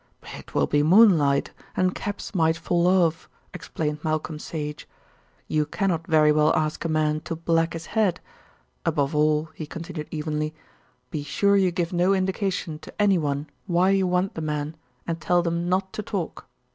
"It will be moonlight, and caps might fall off," explained Malcolm Sage. "You cannot very well ask a man to black his head. Above all," he continued evenly, "be sure you give no indication to anyone why you want the men, and tell them not to talk.